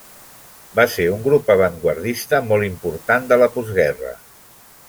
Va ser un grup avantguardista molt important de la postguerra.